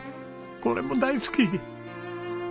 これも大好き！